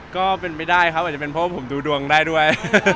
ก็เป็นไปได้ครับอาจจะเป็นเพราะว่าผมดูดวงได้ด้วย